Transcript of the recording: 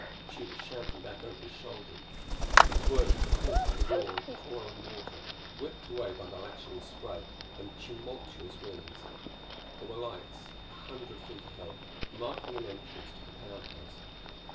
Tugh was shouting back over his shoulder; his words were caught by the roar of the falling water; whipped away by the lashing spray and tumultuous winds. There were lights a hundred feet ahead, marking an entrance to the Power House.